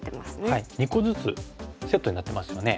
２個ずつセットになってますよね。